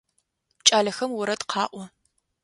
Кӏалэхэм орэд къаӏо.